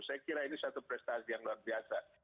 saya kira ini satu prestasi yang luar biasa